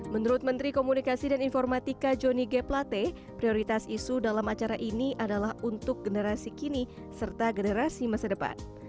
menurut menteri komunikasi dan informatika johnny g plate prioritas isu dalam acara ini adalah untuk generasi kini serta generasi masa depan